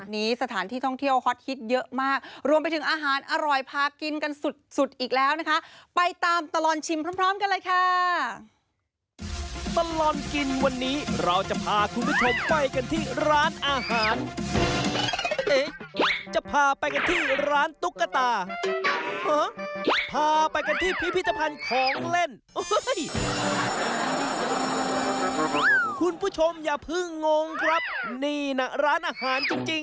นี่นะร้านอาหารจริงน่ะ